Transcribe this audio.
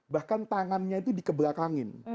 bahkan tangannya itu dikebelakangin